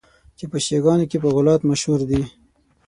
چي په شیعه ګانو کي په غُلات مشهور دي.